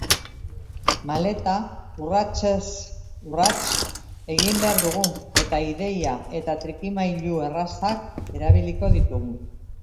Maleta urratsez urrats egin behar dugu, eta ideia eta trikimailu errazak erabiliko ditugu.